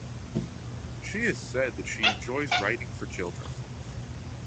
She has said that she enjoys writing for children.